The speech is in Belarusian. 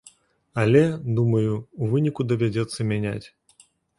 Але, думаю, у выніку давядзецца мяняць.